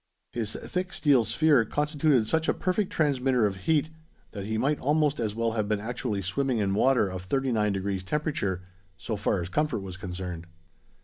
His thick steel sphere constituted such a perfect transmitter of heat that he might almost as well have been actually swimming in water of 39 degrees temperature, so far as comfort was concerned.